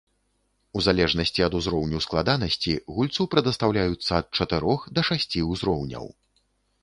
У залежнасці ад узроўню складанасці гульцу прадастаўляюцца ад чатырох да шасці узроўняў.